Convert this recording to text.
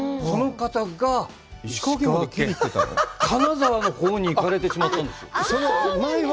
その方が石川県、金沢のほうに行かれてしまったんですよ。